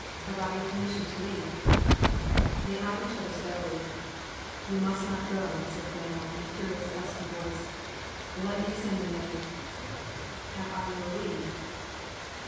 Have I your permission to leave ?" They eyed each other steadily. You must not go, '* said Cle3nnore in a curious, husky voice, let me send a man "*' Have I your leave